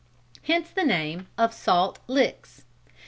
Hence the name of Salt Licks.